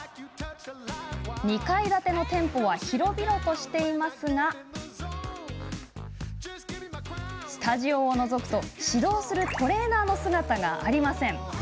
２階建ての店舗は広々としていますがスタジオをのぞくと指導するトレーナーの姿がありません。